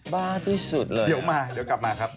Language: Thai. บ้าที่สุดเลยเดี๋ยวกลับมาครับ